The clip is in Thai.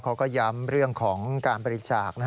เขาก็ย้ำเรื่องของการบริจาค